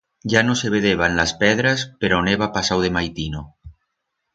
Ya no se vedeban las pedras per a on heba pasau de maitino.